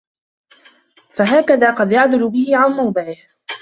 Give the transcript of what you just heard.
فَهَكَذَا قَدْ يُعْدَلُ بِهِ عَنْ مَوْضِعِهِ